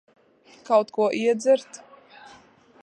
Kaut ko iedzert?